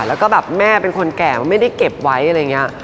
แล้วก็แบบแม่เป็นคนแก่ไม่ได้เก็บไว้อะไรอย่างนี้